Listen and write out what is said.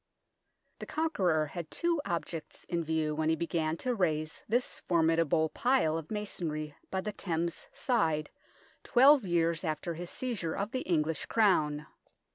The Conqueror had two objects in view when he began to raise this formidable pile of masonry by the Thames side twelve years after his seizure of the English Crown.